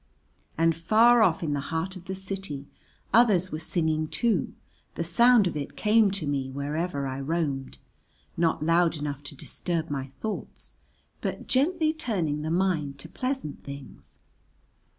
And far off in the heart of the city others were singing too, the sound of it came to me wherever I roamed, not loud enough to disturb my thoughts, but gently turning the mind to pleasant things.